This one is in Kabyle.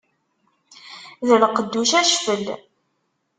D lqedd ucacfel.